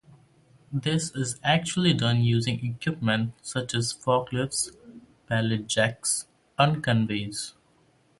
This is usually done using equipment such as forklifts, pallet jacks, or conveyors.